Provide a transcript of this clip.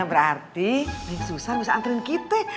berarti yang susah bisa anterin kita